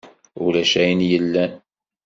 Ulac ayen yellan.